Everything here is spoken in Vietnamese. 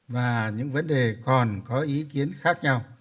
và những vấn đề còn có ý kiến khác nhau